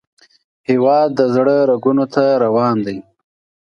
هیواد د زړه رګونو ته روان دی